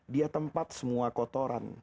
dia tempat semua kotoran